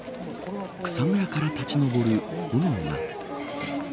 草むらから立ち上る炎が。